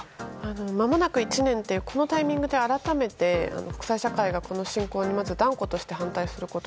間もなく１年というタイミングで改めて国際社会がこの侵攻にまず断固として反対すること。